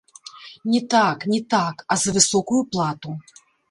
Не так, не так, а за высокую плату.